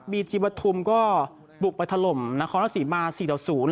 บีจิบทุมก็บุกไปถล่มนครสิมาสี่ต่อศูนย์